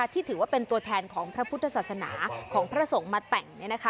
ที่ถือว่าเป็นตัวแทนของพระพุทธศาสนาของพระสงฆ์มาแต่ง